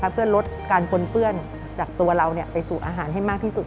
เพื่อลดการปนเปื้อนจากตัวเราไปสู่อาหารให้มากที่สุด